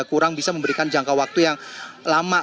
kurang bisa memberikan jangka waktu yang lama